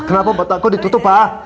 kenapa mata aku ditutup ma